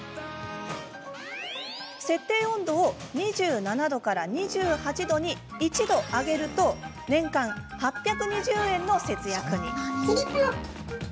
設定温度を２７度から２８度に１度上げると年間８２０円の節約に。